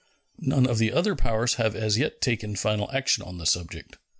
None of the other powers have as yet taken final action on the subject.